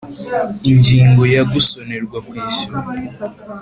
Ingingo ya gusonerwa kwishyurira